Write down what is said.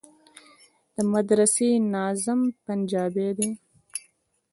د مدرسې ناظم پنجابى دى.